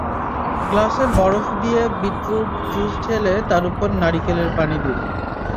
গ্লাসে বরফ দিয়ে বিটরুট জুস ঢেলে তার ওপর নারিকেলের পানি দিন।